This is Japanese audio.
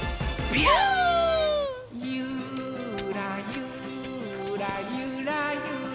「ゆーらゆーらゆらゆらりー」